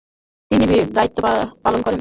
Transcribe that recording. তিনি দায়িত্ব পালন করেন।